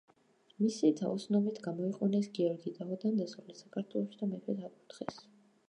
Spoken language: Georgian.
მისი თაოსნობით გამოიყვანეს გიორგი ტაოდან დასავლეთ საქართველოში და მეფედ აკურთხეს.